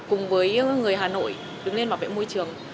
cùng với người hà nội đứng lên bảo vệ môi trường